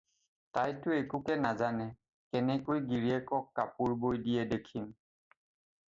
তাইতো একোকে নাজানে, কেনেকৈ গিৰীয়েকক কাপোৰ বৈ দিয়ে দেখিম।